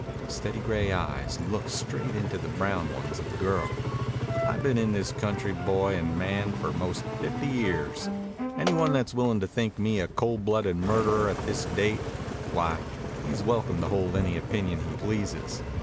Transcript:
The steady gray eyes looked straight into the brown ones of the girl. "I've been in this county boy and man for 'most fifty years. Any one that's willin' to think me a cold blooded murderer at this date, why, he's welcome to hold any opinion he pleases.